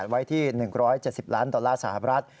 ไว้ที่๑๗๐ล้านดอลลาร์สหรัฐ